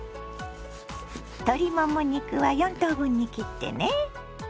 鶏もも肉は４等分に切ってね。